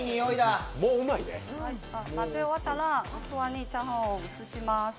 混ぜ終わったら器にチャーハンを入れます。